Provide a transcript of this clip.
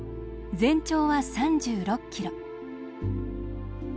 全長は３６キロ。